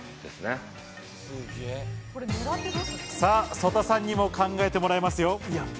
曽田さんにも考えてもらいますよ。